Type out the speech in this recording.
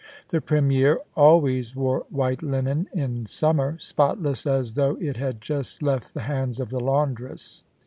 The Premier always wore white linen in summer, spotless as though it had just left the hands of the laundress.